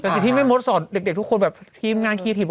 แต่สิ่งที่แม่มดสอนเด็กทุกคนแบบทีมงานคีย์ทีม